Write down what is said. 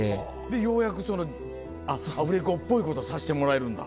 でようやくアフレコっぽいことさせてもらえるんだ。